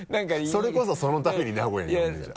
それこそそのために名古屋に呼んでるじゃん。